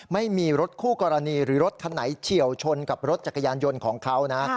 ไม่มีรถคู่กรณีหรือรถคันไหนเฉียวชนกับรถจักรยานยนต์ของเขานะ